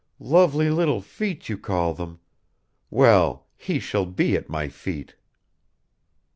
"Lovely little feet, you call them ... Well, he shall be at my feet."